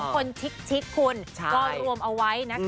คนชิคคุณก็รวมเอาไว้นะคะ